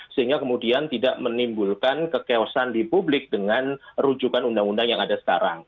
sehingga kemudian tidak menimbulkan kekeosan di publik dengan rujukan undang undang yang ada sekarang